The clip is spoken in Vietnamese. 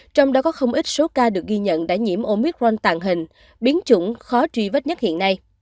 trong đó có không ít số ca được ghi nhận đã nhiễm omicron tàn hình biến chủng khó truy vết nhất hiện nay